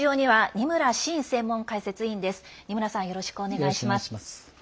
二村さん、よろしくお願いします。